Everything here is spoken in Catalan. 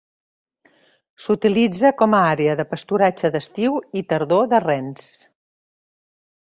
S'utilitza com a àrea de pasturatge d'estiu i tardor de rens.